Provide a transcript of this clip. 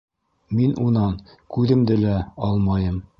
Мин унан күҙемде лә алмайым.